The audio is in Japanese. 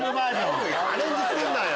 アレンジすんなよ！